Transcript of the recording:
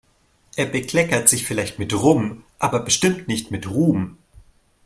Er bekleckert sich vielleicht mit Rum, aber bestimmt nicht mit Ruhm.